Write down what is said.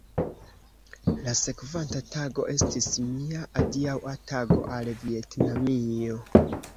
La sekvanta tago estis mia adiaŭa tago al Vjetnamio.